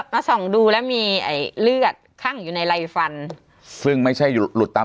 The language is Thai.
มาส่องดูแล้วมีไอ้เลือดคั่งอยู่ในไรฟันซึ่งไม่ใช่หลุดหลุดตาม